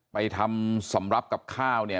ไปทำสำหรับกับข้าวเนี่ย